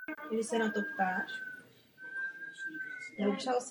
Je nejvyšší čas!